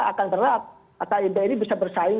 akan berat kib ini bisa bersaing